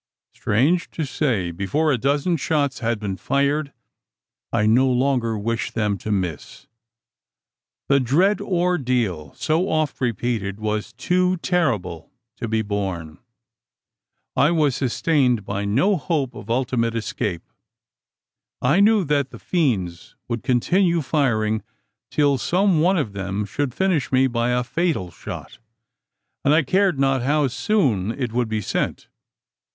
Strange to say, before a dozen shots had been fired, I no longer wished them to miss! The dread ordeal, so oft repeated, was too terrible to be borne. I was sustained by no hope of ultimate escape. I knew that the fiends would continue firing, till some one of them should finish me by a fatal shot; and I cared not how soon it should be sent.